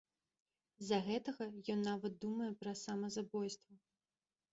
З-за гэтага ён нават думае пра самазабойства.